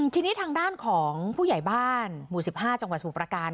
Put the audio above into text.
ทีนี้ทางด้านของผู้ใหญ่บ้านหมู่สิบห้าจังหวัดศูนย์ประการ